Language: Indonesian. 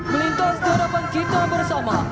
melintas darapan kita bersama